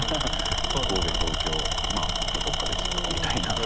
神戸東京あとどっか別んとこみたいな。